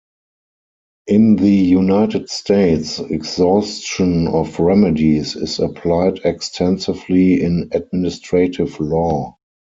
In the United States, exhaustion of remedies is applied extensively in administrative law.